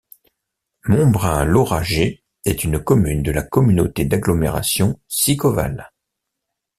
Montbrun-Lauragais est une commune de la communauté d'agglomération Sicoval.